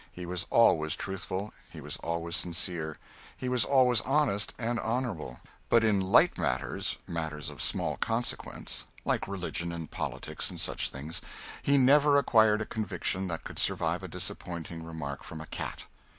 He was always truthful; he was always sincere; he was always honest and honorable. But in light matters matters of small consequence, like religion and politics and such things he never acquired a conviction that could survive a disapproving remark from a cat.